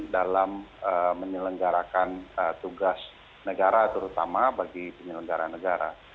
dalam menyelenggarakan tugas negara terutama bagi penyelenggara negara